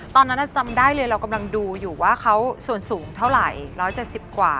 ตอนนั้นจำได้เลยเรากำลังดูอยู่ว่าเขาส่วนสูงเท่าไหร่๑๗๐กว่า